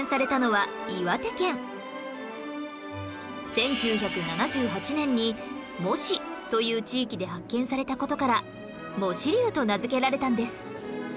１９７８年に茂師という地域で発見された事からモシリュウと名付けられたんです